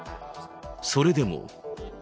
それでも。